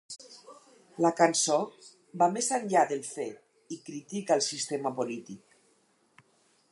La cançó va més enllà del fet i critica el sistema polític.